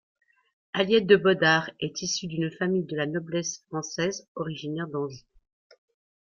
Aliette de Bodard est issue d'une famille de la noblesse française originaire d'Anjou.